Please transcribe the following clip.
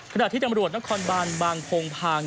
ขณะที่จำรวจนักความบานบางพงทาง